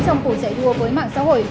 trong cuộc giải đua với mạng xã hội